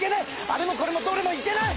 あれもこれもどれもいけない！